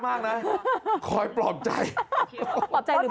แบบนี้เลย